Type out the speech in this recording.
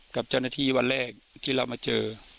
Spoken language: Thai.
กับเจ้าหน้าที่วันแรกที่เรามาเจอ